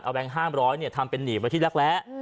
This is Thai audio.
เอาแบงค์๕๐๐เนี่ยทำเป็นหนีบไปที่รักแร้